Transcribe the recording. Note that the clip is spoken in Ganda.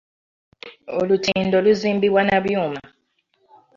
Olutindo luzimbibwa na byuma.